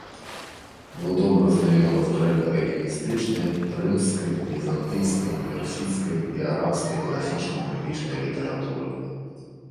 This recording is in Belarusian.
Быў добра знаёмы з грэка-эліністычнай, рымскай, візантыйскай, персідскай і арабскай класічнай медычнай літаратурай.